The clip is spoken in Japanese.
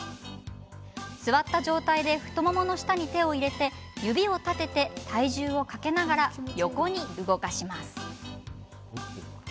座った状態で太ももの下に手を入れ指を立てて体重をかけながら横に動かします。